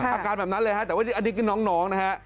อาการแบบนั้นเลยฮะแต่ว่าอันนี้คือน้องนะฮะ